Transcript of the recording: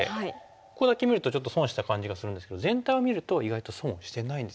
ここだけ見るとちょっと損した感じがするんですけど全体を見ると意外と損をしてないんですよね。